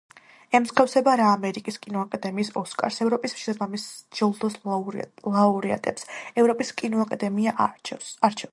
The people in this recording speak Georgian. ემსგავსება რა ამერიკის კინოაკადემიის „ოსკარს“, ევროპის შესაბამის ჯილდოს ლაურეატებს ევროპის კინოაკადემია არჩევს.